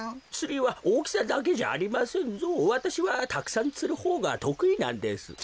つりはおおきさだけじゃありませんぞわたしはたくさんつるほうがとくいなんです。